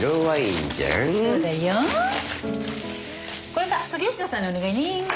これさ杉下さんにお願いね。